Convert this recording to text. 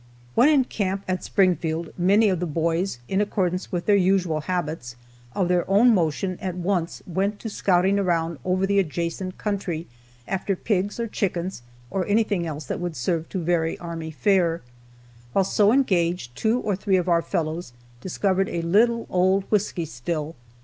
When in camp at Springfield, many of the boys, in accordance with their usual habits, of their own motion at once went to scouting around over the adjacent country, after pigs, or chickens, or anything else that would serve to vary army fare. While so engaged two or three of our fellows discovered a little old whisky still.